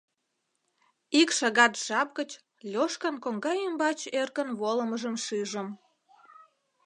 Ик шагат жап гыч Лёшкан коҥга ӱмбач эркын волымыжым шижым.